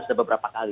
sudah beberapa kali